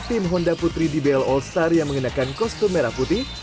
tim honda putri dbl all star yang mengenakan kostum merah putih